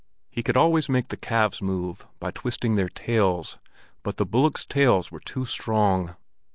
He could always make the calves move by twisting their tails, but the bullocks' tails were too strong.